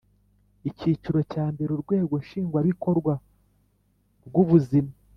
Icyiciro cya mbere Urwego Nshingwabikorwa rwubuzima